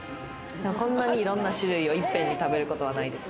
こんなにいろんな種類をいっぺんに食べることはないです。